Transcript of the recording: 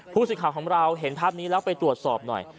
ผู้สื่อข่าวของเราเห็นภาพนี้แล้วไปตรวจสอบหน่อย